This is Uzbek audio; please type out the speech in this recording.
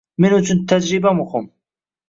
Men uchun tajriba muhim.